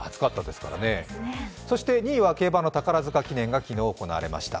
そして２位は競馬の宝塚記念が昨日行われました。